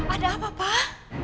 ada apa pak